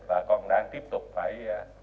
và còn đang tiếp tục phải